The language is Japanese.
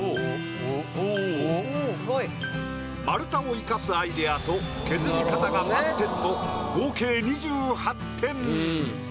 丸太を生かすアイデアと削り方が満点の合計２８点。